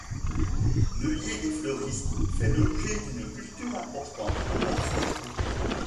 L'œillet des fleuristes fait l'objet d'une culture importante pour la fleur coupée.